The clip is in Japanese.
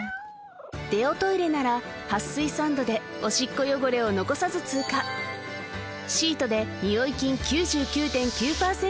デオトイレなら撥水サンドでオシッコ汚れを残さず通過シートでニオイ菌９９．９％